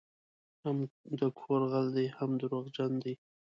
هم د کور غل دی هم دروغجن دی